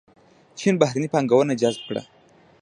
چین بهرنۍ پانګونه جذب کړه.